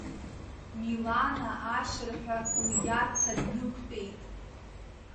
Милана ашырҳәа лиарҭа днықәтәеит.